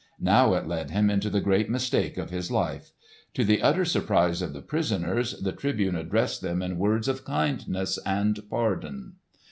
Now it led him into the great mistake of his life. To the utter surprise of the prisoners, the Tribune addressed them in words of kindness and pardon.